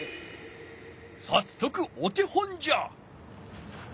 さっそくお手本じゃ！